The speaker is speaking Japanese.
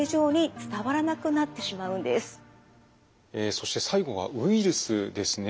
そして最後はウイルスですね。